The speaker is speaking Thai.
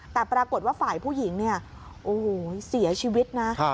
แต่ปรากฏว่าฝ่ายผู้หญิงเนี่ยโอ้โหเสียชีวิตนะ